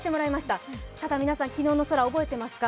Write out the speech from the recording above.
ただ、皆さん、昨日の空、覚えていますか？